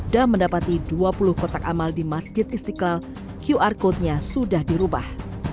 dah mendapati dua puluh kotak amal di masjid istiqlal qr codenya sudah dirubah